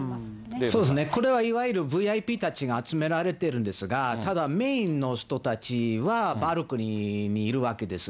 そうですね、これはいわゆるＶＩＰたちが集められてるんですが、ただメインの人たちはバルコニーにいるわけです。